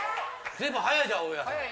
ずいぶん早いじゃん大家さん。